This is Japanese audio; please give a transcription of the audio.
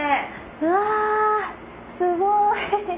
うわすごい！